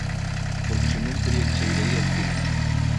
Porque se non terían que saír aí a dicir isto.